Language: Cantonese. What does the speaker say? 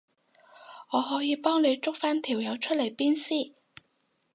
我可以幫你捉返條友出嚟鞭屍